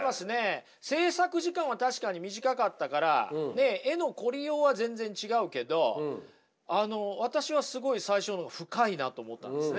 制作時間は確かに短かったから絵の凝りようは全然違うけど私はすごい最初の深いなと思ったんですね。